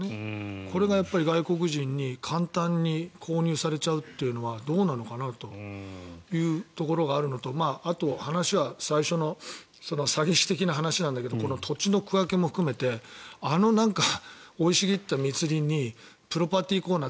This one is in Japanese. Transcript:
これが外国人に簡単に購入されちゃうというのはどうなのかなというところがあるのとあと、話は最初の詐欺師的な話なんだけどこの土地の区分けも含めてあの生い茂った密林にプロパティーコーナー